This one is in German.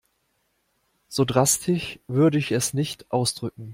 So drastisch würde ich es nicht ausdrücken.